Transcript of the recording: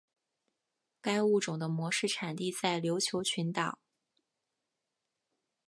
该物种的模式产地在琉球群岛。